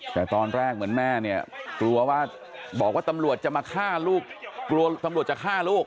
แต่ตอนแรกเหมือนแม่เนี่ยกลัวว่าบอกว่าตำรวจจะมาฆ่าลูกกลัวตำรวจจะฆ่าลูก